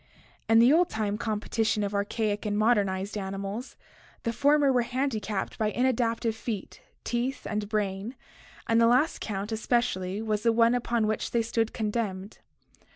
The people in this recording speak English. In the old time competi tion of archaic and modernized mammals (see Chapter XXXII) the former were handicapped by inadaptive feet, teeth, and brain, and the last count especially was the one upon which they stood condemned.